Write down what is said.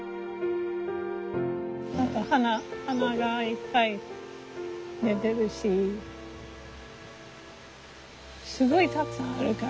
何か花がいっぱい出てるしすごいたくさんあるから。